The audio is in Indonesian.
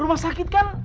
rumah sakit kan